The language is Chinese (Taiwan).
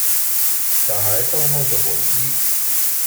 小孩逗弄著火雞